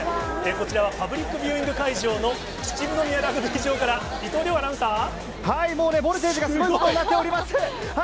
こちらはパブリックビューイング会場の秩父宮ラグビー場から、もうね、ボルテージがすごいことになっております。